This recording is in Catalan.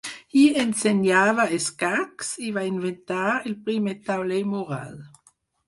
Hi ensenyava escacs, i va inventar el primer tauler mural.